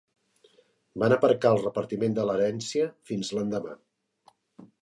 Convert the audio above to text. Van aparcar el repartiment de l'herència fins l'endemà.